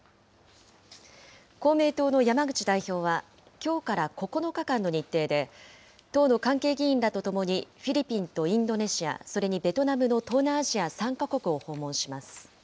公明党の山口代表は、きょうから９日間の日程で、党の関係議員らとともに、フィリピンとインドネシア、それにベトナムの東南アジア３か国を訪問します。